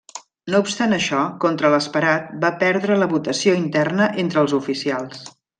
No obstant això, contra l'esperat, va perdre la votació interna entre els oficials.